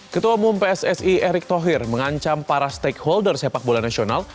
ketua umum pssi erick thohir mengancam para stakeholder sepak bola nasional